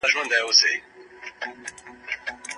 ولي کوښښ کوونکی د لوستي کس په پرتله ښه ځلېږي؟